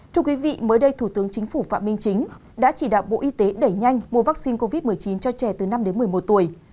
thưa quý vị mới đây thủ tướng chính phủ phạm minh chính đã chỉ đạo bộ y tế đẩy nhanh mua vaccine covid một mươi chín cho trẻ từ năm đến một mươi một tuổi